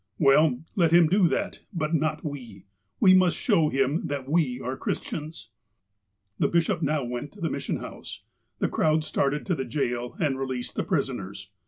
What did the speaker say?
" Well, let him do that ; but not we. We must show him that we are Christians." ' The bishop now went to the Mission House. The I crowd started to the jail and released the prisoners.